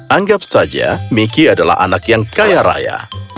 anggap saja miki adalah anak yang kaya raya